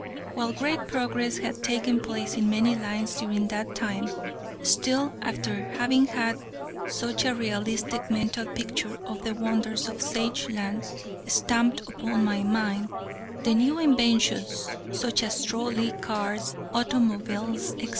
While great progress had taken place in many lines during that time, still after having had such a realistic mental picture of the wonders of Sage land stamped upon my mind, the new inventions, such as trolley cars, automobiles, etc.